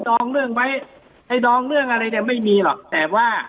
องเรื่องไว้ให้ดองเรื่องอะไรเนี่ยไม่มีหรอกแต่ว่า